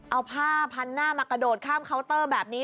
เอาผ้าพันหน้ามากระโดดข้ามเคาน์เตอร์แบบนี้